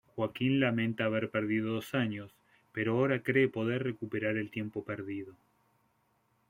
Joaquín lamenta haber perdido dos años, pero ahora cree poder recuperar el tiempo perdido.